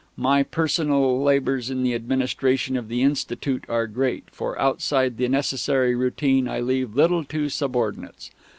My personal labours in the administration of the Institute are great, for outside the necessary routine I leave little to subordinates.